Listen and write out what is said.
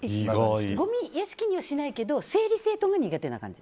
ごみ屋敷にはしないけど整理整頓が苦手な感じ？